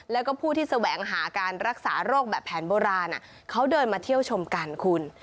แล้วก็ผู้ที่แสวงหาการรักษาโรคแบบแผนโบราณเขาเดินมาเที่ยวชมกันคุณ